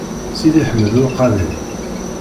Sidi Ḥmed U Lqaḍi.